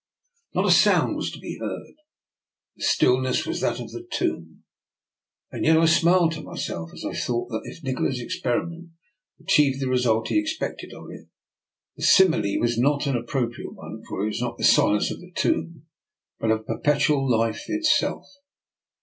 Not a sound was to be heard. The stillness was that of the tomb, and yet I smiled to myself as I thought that, if Nikola's experiment achieved the result he expected of it, the simile was not an appropri ate one, for it was not the silence of the tomb but of perpetual life itself.